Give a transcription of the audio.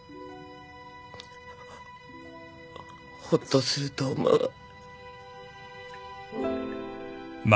ほっとすると思う。